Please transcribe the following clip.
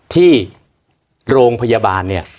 ที่โรงพยาบาลเนี่ย